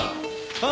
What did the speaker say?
はい！